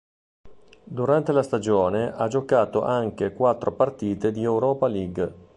Durante la stagione ha giocato anche quattro partite di Europa League.